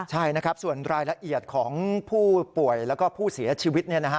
ใช่นะครับส่วนรายละเอียดของผู้ป่วยแล้วก็ผู้เสียชีวิต